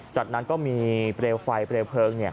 จากนั้นก็มีเปลวไฟเปลวเพลิง